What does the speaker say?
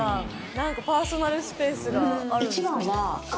何かパーソナルスペースが。